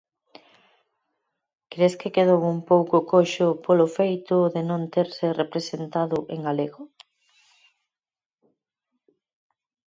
Cres que quedou un pouco coxo polo feito de non terse representado en galego?